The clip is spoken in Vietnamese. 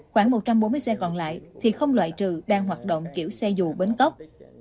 khoảng một trăm bốn mươi xe còn lại thì không loại trừ đang hoạt động kiểu xe dù bến cốc